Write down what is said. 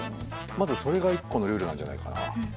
まずそれが一個のルールなんじゃないかな。